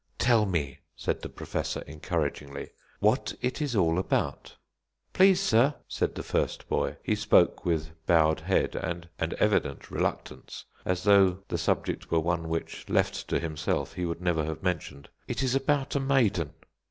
"Tell me," said the Professor, encouragingly, "what it is all about." "Please, sir," said the first boy he spoke with bowed head and evident reluctance, as though the subject were one which, left to himself, he would never have mentioned, "it is about a maiden."